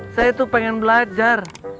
saya tuh pengen belajar